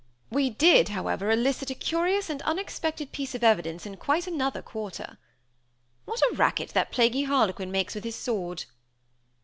We did, however, elicit a curious and unexpected piece of evidence in quite another quarter. What a racket that plaguey harlequin makes with his sword!"